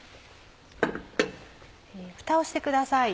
ふたをしてください。